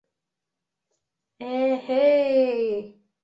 — Э-э-һей!